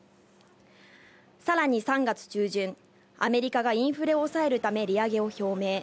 さらに３月中旬、アメリカがインフレを抑えるため、利上げを表明。